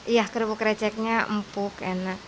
iya kerupuk kreceknya empuk enak